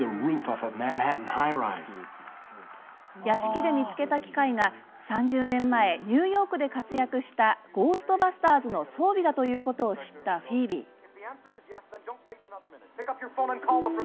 屋敷で見つけた機械が３０年前ニューヨークで活躍したゴーストバスターズの装備だということを知ったフィービー。